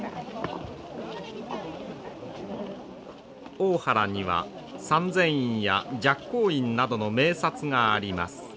大原には三千院や寂光院などの名刹があります。